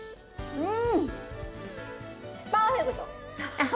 うん！